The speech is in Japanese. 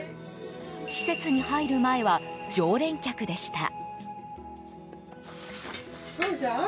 施設に入る前は常連客でした。